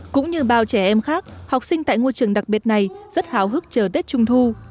cũng như bao trẻ em khác học sinh tại ngôi trường đặc biệt này rất hào hức chờ tết trung thu